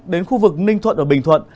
đến khu vực ninh thuận và bình thuận